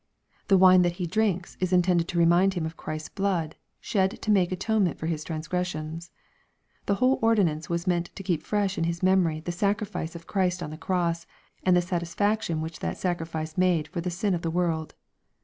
The wine that he drinks is in tended to remind him of Christ's blood shed to make atonement for his transgressions. The whole ordinance was meant to keep fresh in his memory the sacrifice of Christ on the cross^ and the satisfaction which that sacrifice made for the sin of the world.